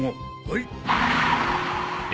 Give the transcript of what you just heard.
はい。